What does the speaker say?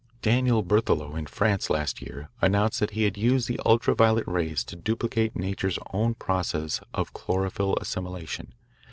Daniel Berthelot in France last year announced that he had used the ultra violet rays to duplicate nature's own process of chlorophyll assimilation.